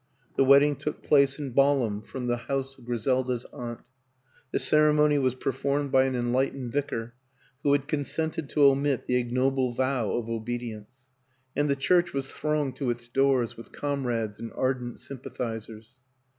The wedding took place in Balham from the house of Griselda's aunt; the ceremony was performed by an enlightened vicar who had consented to omit the ignoble vow of obedience ; and the church was thronged to its doors with comrades and ar dent sympathizers.